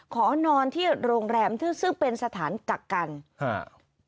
ขอนอนที่โรงแรมซึ่งซึ่งเป็นสถานกักกันฮะ